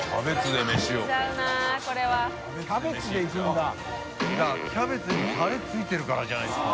だからキャベツにタレついてるからじゃないですか？